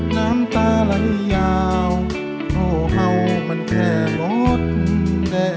น้ำตาไหล่ยาวโอ้เขามันแค่หมดแดง